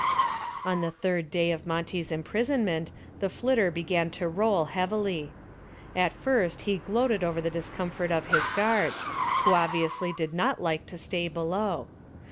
On the third day of Monty's imprisonment the "Flitter" began to roll heavily. At first he gloated over the discomfort of his guards, who obviously did not like to stay below.